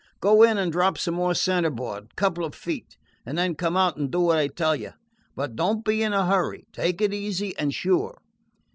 Go in and drop some more centerboard, a couple of feet, and then come out and do what I tell you. But don't be in a hurry. Take it easy and sure."